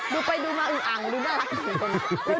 ดูไปดูมาอึ้งอ่างดูน่ารักขึ้น